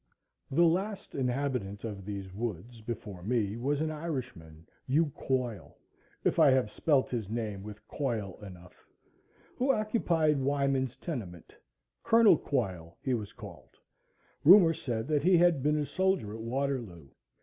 The last inhabitant of these woods before me was an Irishman, Hugh Quoil (if I have spelt his name with coil enough,) who occupied Wyman's tenement,—Col. Quoil, he was called. Rumor said that he had been a soldier at Waterloo.